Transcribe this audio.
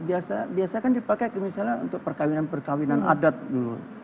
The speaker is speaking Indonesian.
biasa biasa kan dipakai misalnya untuk perkawinan perkawinan adat dulu